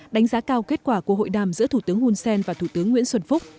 đánh giá cao kết quả của hội đàm giữa thủ tướng hunsen và thủ tướng nguyễn xuân phúc